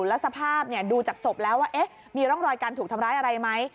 แล้วสภาพดูจากศพแล้วว่ามีร่องรอยการถูกทำร้ายอะไรไหม